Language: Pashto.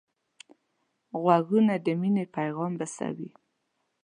غوږونه د مینې پیغام رسوي